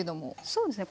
そうですね。